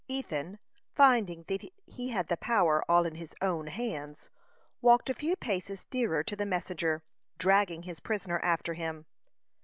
Ethan, finding that he had the power all in his own hands, walked a few paces nearer to the messenger, dragging his prisoner after him.